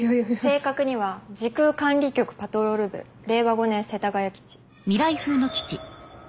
正確には時空管理局パトロール部令和５年世田谷基地。